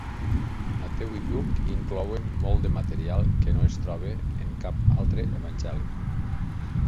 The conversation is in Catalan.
Mateu i Lluc inclouen molt de material que no es troba en cap altre Evangeli.